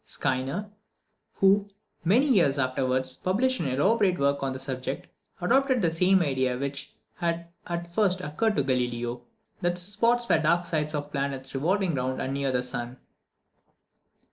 Scheiner, who, many years afterwards, published an elaborate work on the subject, adopted the same idea which had at first occurred to Galileo that the spots were the dark sides of planets revolving round and near the sun.